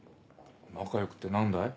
仲良くって何だい？